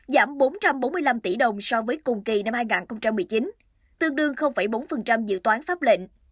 giảm bốn trăm bốn mươi năm tỷ đồng so với cùng kỳ năm hai nghìn một mươi chín tương đương bốn dự toán pháp lệnh